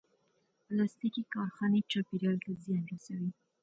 پلاستيکي کارخانې چاپېریال ته زیان رسوي.